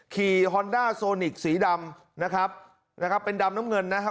ฮอนด้าโซนิกสีดำนะครับนะครับเป็นดำน้ำเงินนะครับ